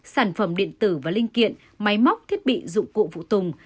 sản phẩm điện tử và linh kiện máy móc thiết bị dụng cụ phụ tùng